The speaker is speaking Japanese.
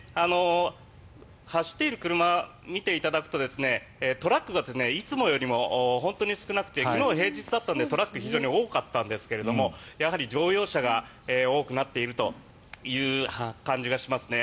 走っている車を見ていただくとトラックがいつもよりも本当に少なくて昨日は平日だったのでトラックが非常に多かったんですが乗用車が多くなっているという感じがしますね。